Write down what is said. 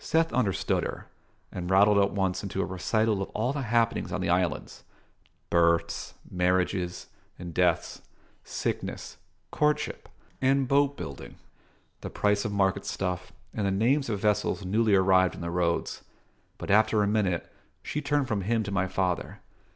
Seth understood her, and rattled at once into a recital of all the happenings on the islands: births, marriages, and deaths, sickness, courtship, and boat building, the price of market stuff, and the names of vessels newly arrived in the roads. But after a minute she turned from him to my father.